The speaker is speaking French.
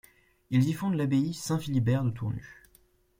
Ils y fondent l'abbaye Saint-Philibert de Tournus.